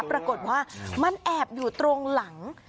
ปรากฏว่ามันแอบอยู่ตรงหลัง